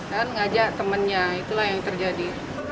dan ngajak temannya itulah yang terjadi